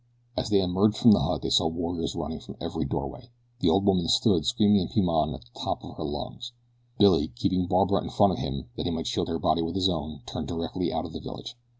As they emerged from the hut they saw warriors running from every doorway. The old woman stood screaming in Piman at the top of her lungs. Billy, keeping Barbara in front of him that he might shield her body with his own, turned directly out of the village.